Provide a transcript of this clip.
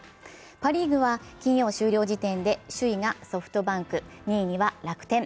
パ・リーグは金曜終了時点で、首位がソフトバンク、２位には楽天。